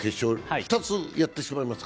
２つやってしまいますか？